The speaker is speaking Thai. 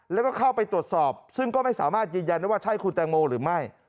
แล้วก็เข้าไปตรวจสอบซึ่งก็ไม่สามารถยืนยันได้ว่าใช่คุณแตงโมหรือไม่